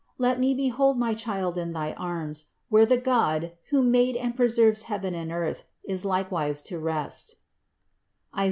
Let me behold my child in thy arms, where the God, who made and preserves heaven and earth, is likewise to rest (Is.